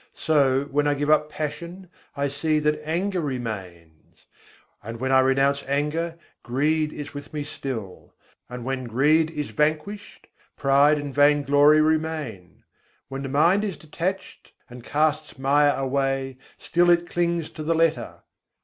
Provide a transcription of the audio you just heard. So, when I give up passion, I see that anger remains; And when I renounce anger, greed is with me still; And when greed is vanquished, pride and vainglory remain; When the mind is detached and casts Maya away, still it clings to the letter.